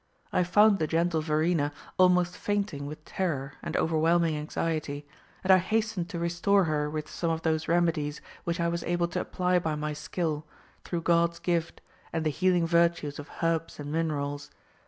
I found the gentle Verena almost fainting with terror and overwhelming anxiety, and I hastened to restore her with some of those remedies which I was able to apply by my skill, through God's gift and the healing virtues of herbs and minerals.